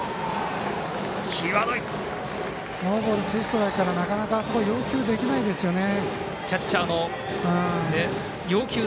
ノーボール、ツーストライクからなかなかあそこ要求できないですよね。